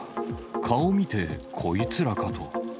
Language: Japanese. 顔見てこいつらかと。